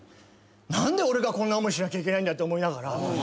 何で俺がこんな思いしなきゃいけないんだって思いながら。